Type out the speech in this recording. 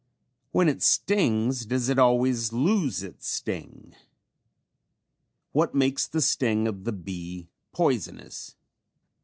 When it stings does it always lose its sting? What makes the sting of the bee poisonous?